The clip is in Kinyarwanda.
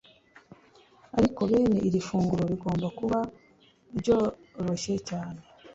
ariko bene iri funguro rigomba kuba ryoroshye cyane.